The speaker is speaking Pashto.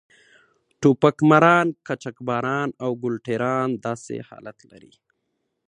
ټوپک ماران، قاچاقبران او ګل ټېران داسې حالت لري.